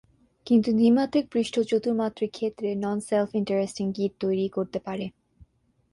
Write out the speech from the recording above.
কিন্তু দ্বিমাত্রিক পৃষ্ঠ চতুর্মাত্রিক ক্ষেত্রে নন-সেলফ-ইন্টারসেক্টিং গিট তৈরি করতে পারে।